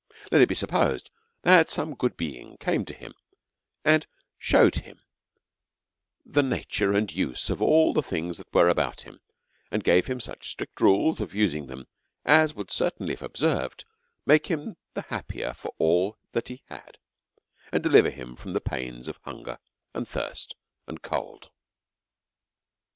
Let it be sup posed that some good being came to him, and shewed him the nature and use of all the things that were about him^ and gave him such strict rules for using them, as would certainly, if observed, make him the happier for all that he had, and deliver him from the pains of hunger, and thirst, and cold.